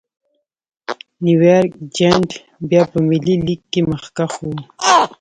نیویارک جېانټ بیا په ملي لېګ کې مخکښ و.